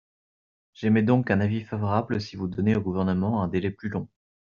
J’émets donc un avis favorable si vous donnez au Gouvernement un délai plus long.